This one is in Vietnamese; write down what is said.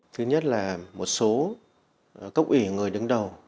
thứ nhất là một số cốc ủy người đứng đầu